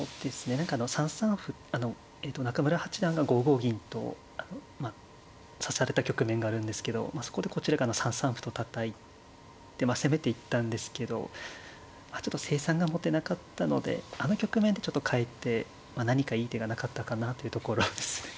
何か３三歩あのえと中村八段が５五銀と指された局面があるんですけどそこでこちらが３三歩とたたいてまあ攻めていったんですけどちょっと成算が持てなかったのであの局面でちょっとかえて何かいい手がなかったかなというところですね。